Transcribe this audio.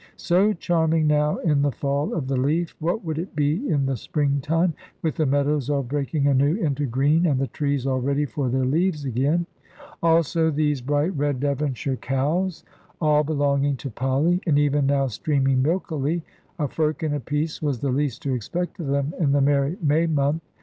So charming now in the fall of the leaf, what would it be in the spring time, with the meadows all breaking anew into green, and the trees all ready for their leaves again? Also these bright red Devonshire cows, all belonging to Polly, and even now streaming milkily a firkin apiece was the least to expect of them, in the merry May month.